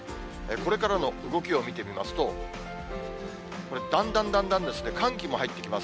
これからの動きを見てみますと、これ、だんだんだんだんですね、寒気も入ってきます。